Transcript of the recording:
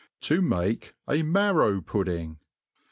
Td mate a Marrow Pudding.